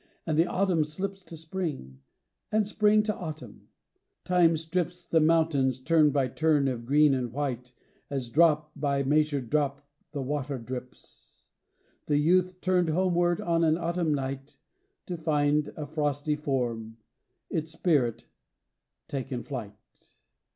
And the autumn slips To spring, and spring to autumn; time strips The mountains turn by turn of green and white, As drop by measured drop the water drips. The youth turned homeward on an autumn night To find a frosty form: its spirit taken flight.